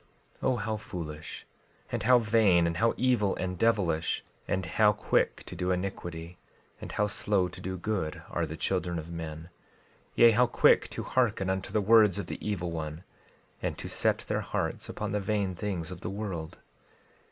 12:4 O how foolish, and how vain, and how evil, and devilish, and how quick to do iniquity, and how slow to do good, are the children of men; yea, how quick to hearken unto the words of the evil one, and to set their hearts upon the vain things of the world!